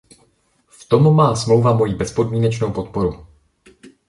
V tom má smlouva moji bezpodmínečnou podporu.